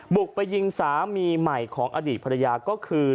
บุกไปยิงสามีใหม่ของอดีตภรรยาก็คือ